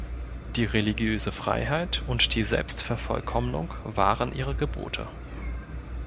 Die religiöse Freiheit und die Selbstvervollkommnung waren ihre Gebote.